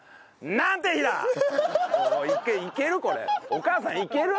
お母さんいける？